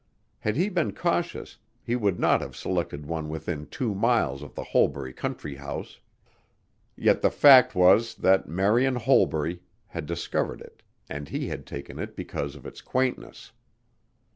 Had he been cautious he would not have selected one within two miles of the Holbury country house, yet the fact was that Marian Holbury had discovered it and he had taken it because of its quaintness.